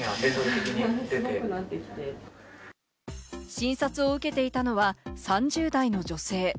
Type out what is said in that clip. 診察を受けていたのは３０代の女性。